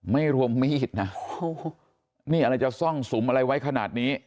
ไม่รวมมีดนะโอ้โหนี่อะไรจะซ่องสุมอะไรไว้ขนาดนี้